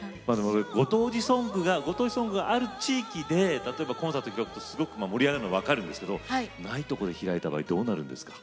ご当地ソングがある地域で例えばコンサートやると盛り上がるの分かるんですけどないところで開いた場合どうなるんですか？